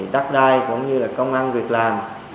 đắt đai cũng như công an việc làm